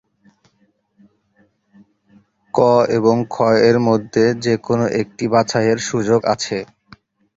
ক এবং খ-এর মধ্যে যে কোনও একটি বাছাইয়ের সুযোগ আছে।